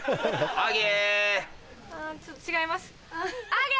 アゲ。